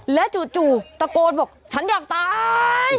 แล้วจู่ตะโกนบอกฉันอยากตาย